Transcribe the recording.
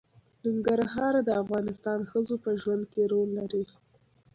ننګرهار د افغان ښځو په ژوند کې رول لري.